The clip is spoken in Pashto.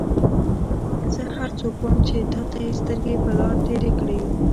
زه هغه څوک وم چې تا ته یې سترګې په لار تېرې کړې.